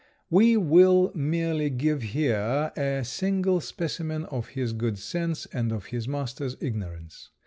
We will merely give here a single specimen of his good sense and of his master's ignorance.